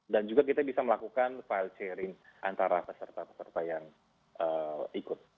dan juga kita bisa melakukan file sharing antara peserta peserta yang ikut